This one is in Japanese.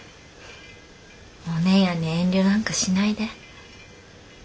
お姉やんに遠慮なんかしないで。